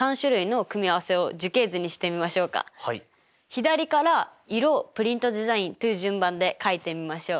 左から色プリントデザインという順番で書いてみましょう。